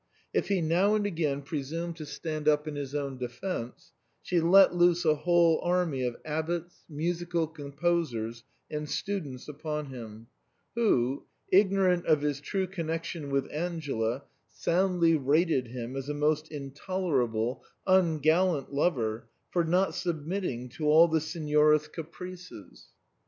If he now and again presumed to stand up in his own defence, she let loose a whole army of abbots, musical composers, and students upon him, who, ignorant of his true connection with Angela, soundly rated him as a most intolerable, ungallant lover for not submitting to all the Signora's caprices.